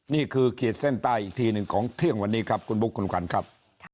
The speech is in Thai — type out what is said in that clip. ขีดเส้นใต้อีกทีหนึ่งของเที่ยงวันนี้ครับคุณบุ๊คคุณขวัญครับ